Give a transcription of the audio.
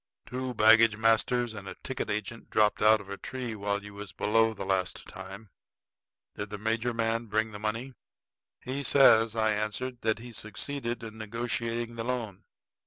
"Two baggage masters and a ticket agent dropped out of a tree while you was below the last time. Did the major man bring the money?" "He says," I answered, "that he succeeded in negotiating the loan."